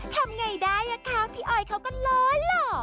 ทำไงได้อ่ะคะพี่ออยเขาก็ล้อหล่อ